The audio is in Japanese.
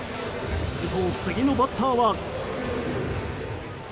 すると次のバッターは。